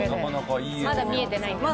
まだ見えてないんですね。